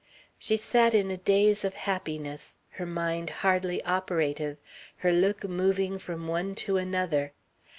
She sat in a daze of happiness, her mind hardly operative, her look moving from one to another.